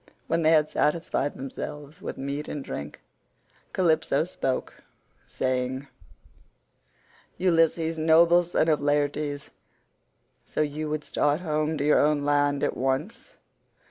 When they had satisfied themselves with meat and drink, Calypso spoke, saying: "Ulysses, noble son of Laertes, so you would start home to your own land at once?